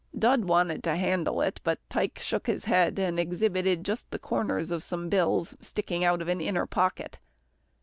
Dud wanted to handle it, but Tike shook his head and exhibited just the corners of some bills sticking out of an inner pocket.